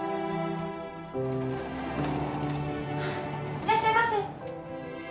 いらっしゃいませ。